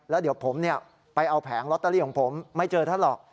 แล้วเดี๋ยวผมไปเอาแผงลอตเตอรี่ของผมไม่เจอท่านหรอก